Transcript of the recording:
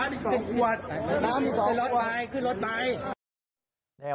น้ำอีก๒ขวดขึ้นรถไทยขึ้นรถไทย